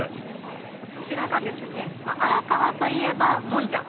こちらがですね荒川といえばもんじゃ。